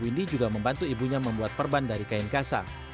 windy juga membantu ibunya membuat perban dari kain kasar